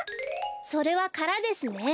それはからですね。